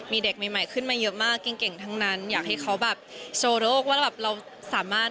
มีเด็กใหม่ขึ้นมาเยอะมากเก่งเก่งทั้งนั้นอยากให้เขาแบบโซโรคว่าแบบเราสามารถ